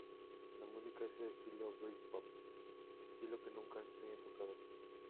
La música es de estilo britpop, estilo que nunca antes habían tocado.